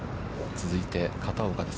続いて片岡です。